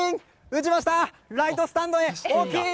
打ちました、ライトスタンドへ大きい！